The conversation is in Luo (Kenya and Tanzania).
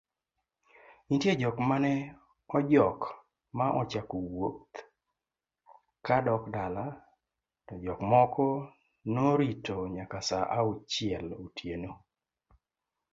nitie jok mane ojok ma ochako wuodh ka dok dala to jok moko noritonyakasaaauchielotieno